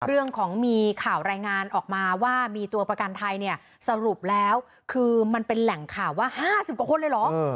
เรื่องของมีข่าวรายงานออกมาว่ามีตัวประกันไทยเนี่ยสรุปแล้วคือมันเป็นแหล่งข่าวว่า๕๐กว่าคนเลยเหรอ